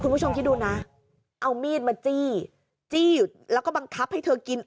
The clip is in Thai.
คุณผู้ชมคิดดูนะเอามีดมาจี้จี้อยู่แล้วก็บังคับให้เธอกิน